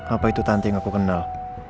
apa itu tante yang aku kenal